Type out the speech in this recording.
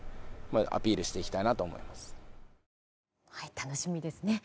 楽しみですね。